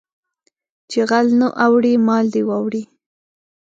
چې غل نه اوړي مال دې واوړي